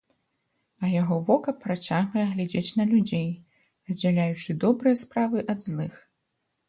А яго вока працягвае глядзець на людзей, аддзяляючы добрыя справы ад злых.